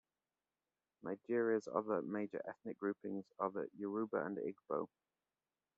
Nigeria's other major ethnic groupings are the Yoruba and Igbo.